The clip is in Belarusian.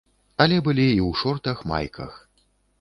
Але былі і ў шортах, майках.